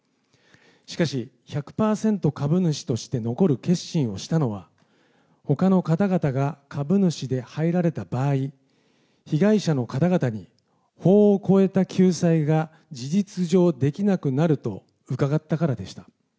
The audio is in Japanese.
しかし、１００％株主として残る決心をしたのは、ほかの方々が株主で入られた場合、被害者の方々に法を超えた救済が事実上できなくなると伺ったからでした。